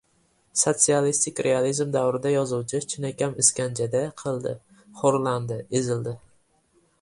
Sotsialistik realizm davrida yozuvchi chinakam iskanjada qildi, xo‘rlandi, ezildi